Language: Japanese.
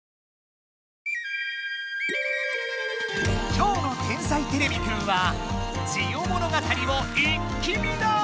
今日の「天才てれびくん」は「ジオ物語」を一気見だ！